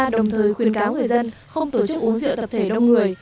đồng thời khuyến cáo người dân không tổ chức uống rượu tập thể đông người